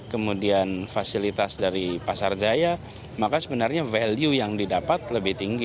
kemudian fasilitas dari pasar jaya maka sebenarnya value yang didapat lebih tinggi